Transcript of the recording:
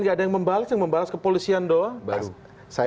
gak ada yang membalas yang membalas kepolisian doang